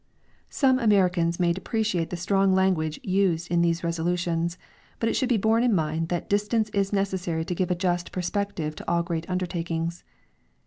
Some Americans may deprecate the strong language used in these resolutions, but it should be borne in mind that distance is necessary to give a just perspective to all great undertakings.